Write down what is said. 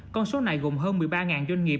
con số này gồm hơn một mươi ba doanh nghiệp